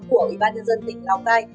của ubnd tỉnh lào cai